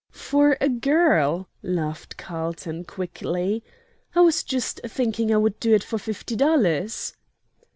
"For a girl!" laughed Carlton, quickly. "I was just thinking I would do it for fifty dollars."